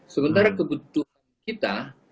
sementara kebutuhan kita